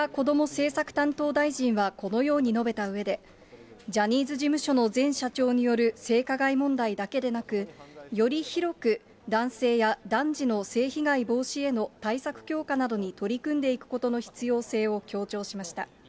政策担当大臣はこのように述べたうえで、ジャニーズ事務所の前社長による性加害問題だけでなく、より広く、男性や男児の性被害防止への対策強化などに取り組んでいくことの必要性を強調しました。